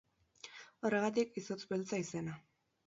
Horregatik izotz beltza izena.